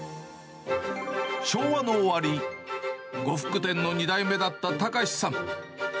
昭和の終わり、呉服店の２代目だった喬さん。